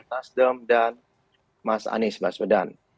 nasdem dan mas anis mas medan